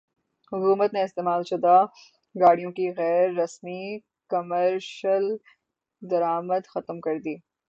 حکومت نے استعمال شدہ گاڑیوں کی غیر رسمی کمرشل درامد ختم کردی